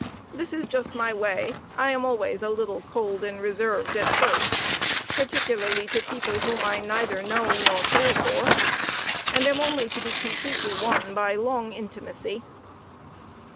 This is just my way I am always a little cold and reserved at first, particularly to people whom I neither know nor care for and am only to be completely won by long intimacy.